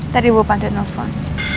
tadi bu pantet nelfon